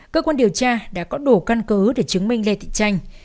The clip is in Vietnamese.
cơ quan điều tra đã có đủ căn cứ để chứng minh lê thị tranh